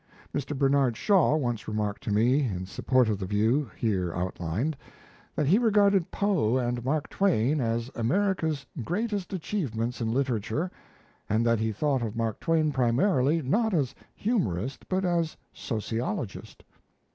Mr. Bernard Shaw once remarked to me, in support of the view here outlined, that he regarded Poe and Mark Twain as America's greatest achievements in literature, and that he thought of Mark Twain primarily, not as humorist, but as sociologist.